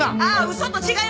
嘘と違います。